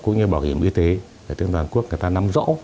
cũng như bảo hiểm y tế để tương đoàn quốc người ta nắm rõ